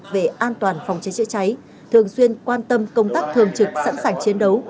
về an toàn phòng cháy chữa cháy thường xuyên quan tâm công tác thường trực sẵn sàng chiến đấu